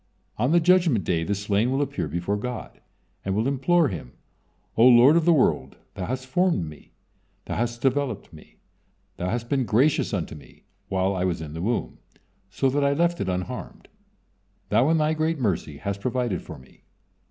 On the Judgement Day the slain will appear before God, and will implore Him: "O Lord of the world! Thou hast formed me, Thou hast developed me, Thou hast been gracious unto me while I was in the womb, so that I left it unharmed. Thou in Thy great mercy hast provided for me.